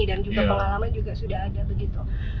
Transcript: dan juga pengalaman juga sudah ada begitu